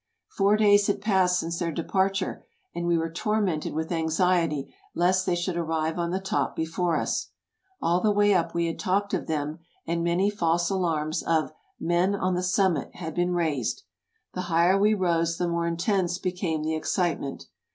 Four days had passed since their departure, and we were tormented with anxiety lest they should arrive on the top before us. All the way up we had talked of them and many false alarms of '' men on the summit '' had been raised. The higher we rose the more intense became the excitement.